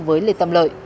với lê tâm lợi